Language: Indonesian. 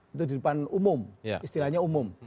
itu di depan umum istilahnya umum